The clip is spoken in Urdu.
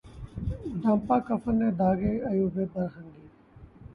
ڈھانپا کفن نے داغِ عیوبِ برہنگی